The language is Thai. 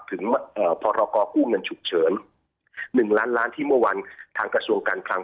พรกู้เงินฉุกเฉิน๑ล้านล้านที่เมื่อวานทางกระทรวงการคลัง